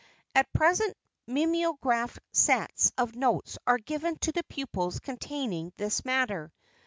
At present mimeographed sets of notes are given to the pupils containing this matter.